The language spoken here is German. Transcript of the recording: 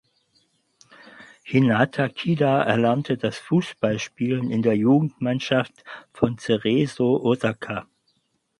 Hinata Kida erlernte das Fußballspielen in der Jugendmannschaft von Cerezo Osaka.